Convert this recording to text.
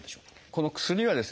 この薬はですね